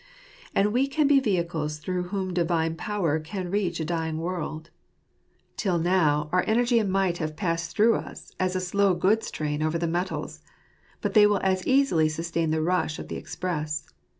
And we can be vehicles through whom Divine power can reach a dying world. Till now our own energy and might have passed through us as a slow goods train over the metals; but they will as easily sustain the rush of the express.